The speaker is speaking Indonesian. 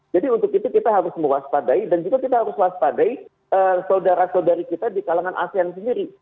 jadi untuk itu kita harus mewaspadai dan juga kita harus waspadai saudara saudari kita di kalangan asean sendiri